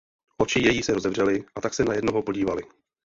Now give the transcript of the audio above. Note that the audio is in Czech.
Oči její se rozevřely a tak se na jednoho podívaly.